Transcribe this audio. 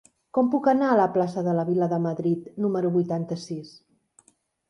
Com puc anar a la plaça de la Vila de Madrid número vuitanta-sis?